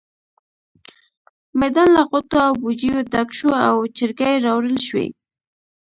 میدان له غوټو او بوجيو ډک شو او چرګې راوړل شوې.